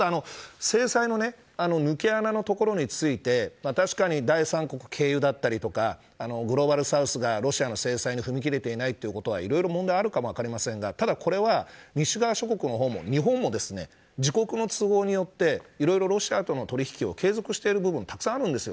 ただ制裁の抜け穴のことについて第三国経由だったりとかグローバルサウスがロシアの制裁に踏み切れていない問題があるかもしれませんがただ、これは西側諸国も日本も自国の都合によっていろいろロシアとの取り引きを継続している部分もたくさんあるんですよ。